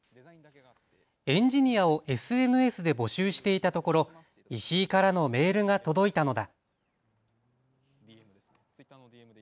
エンジニアをＳＮＳで募集していたところ、石井からのメールが届いたのだ。